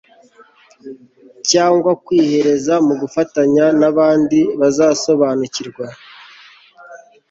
cyangwa kwiheza mu gufatanya n abandi bazasobanukirwa